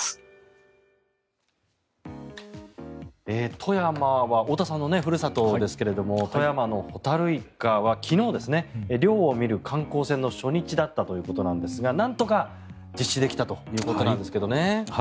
富山は太田さんのふるさとですが富山のホタルイカは昨日漁を見る観光船の初日だったということですがなんとか実施できたということなんですけどね。